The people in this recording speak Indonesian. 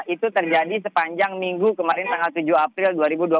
itu terjadi sepanjang minggu kemarin tanggal tujuh april dua ribu dua puluh